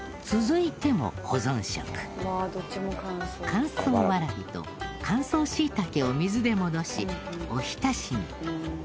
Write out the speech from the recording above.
乾燥ワラビと乾燥シイタケを水で戻しおひたしに。